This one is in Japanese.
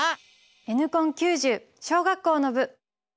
「Ｎコン９０」小学校の部！